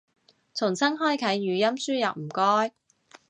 重新開啟語音輸入唔該